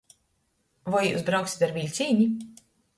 Voi jius brauksit ar viļcīni?